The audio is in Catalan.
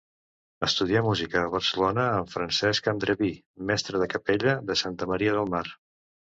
Estudià música a Barcelona, amb Francesc Andreví, mestre de capella de Santa Maria del Mar.